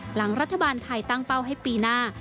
หลังรัฐบาลไทยตั้งเป้าให้ปีหน้า